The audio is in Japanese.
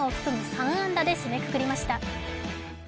３安打で締めくくりました。